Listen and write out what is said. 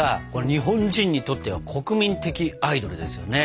日本人にとっては国民的アイドルですよね。